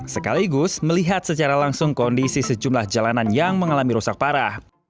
sekaligus melihat secara langsung kondisi sejumlah jalanan yang mengalami rusak parah